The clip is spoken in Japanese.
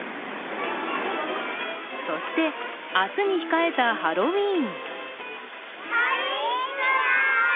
そして、明日に控えたハロウィーン。